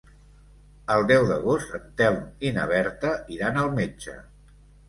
El deu d'agost en Telm i na Berta iran al metge.